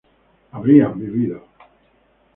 habrían vivido